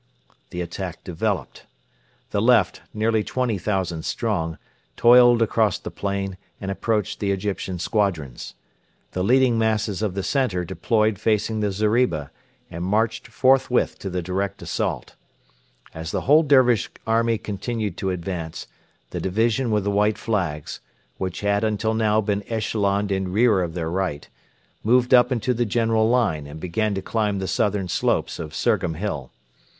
The attack developed. The left, nearly 20,000 strong, toiled across the plain and approached the Egyptian squadrons. The leading masses of the centre deployed facing the zeriba and marched forthwith to the direct assault. As the whole Dervish army continued to advance, the division with the white flags, which had until now been echeloned in rear of their right, moved up into the general line and began to climb the southern slopes of Surgham Hill.